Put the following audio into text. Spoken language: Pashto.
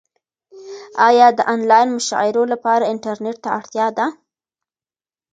ایا د انلاین مشاعرو لپاره انټرنیټ ته اړتیا ده؟